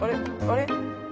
あれ？